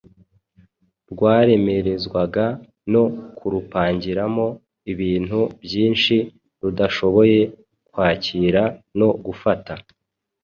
rwaremerezwaga no kurupakiramo ibintu byinshi rudashoboye kwakira no gufata